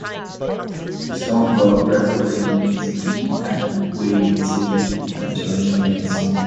The storm brought record-breaking winds, peaking at in Hualien City, and torrential rains.